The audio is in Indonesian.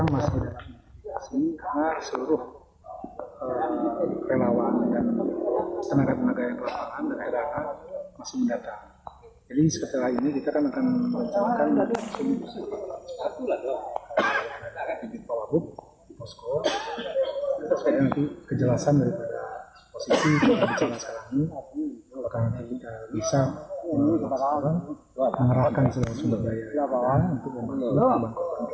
mungkin kita bisa mengerahkan seluruh sumber daya